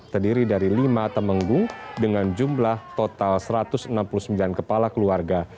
terdiri dari lima temenggung dengan jumlah total satu ratus enam puluh sembilan kepala keluarga